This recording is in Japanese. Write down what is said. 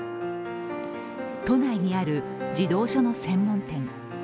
都内にある児童書の専門店。